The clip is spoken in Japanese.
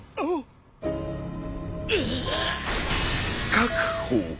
確保。